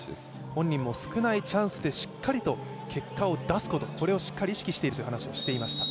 本人も少ないチャンスでしっかりと結果を出すことこれをしっかり意識しているという話をしていました。